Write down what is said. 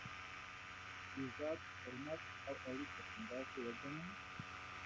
عزت، حرمت او اړیکي همداسې وګڼئ.